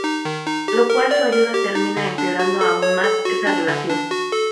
Lo cual su ayuda termina empeorando aún más esa relación.